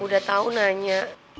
udah tau nanya